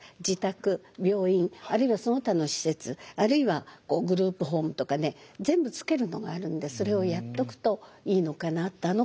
自宅病院あるいはその他の施設あるいはグループホームとかね全部つけるのがあるんでそれをやっておくといいのかなって。